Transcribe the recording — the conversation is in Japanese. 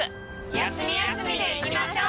休み休みでいきましょう。